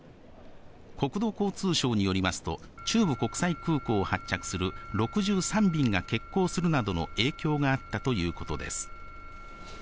国土交通省によりますと、中部国際空港を発着する６３便が欠航するなどの影響があったということです。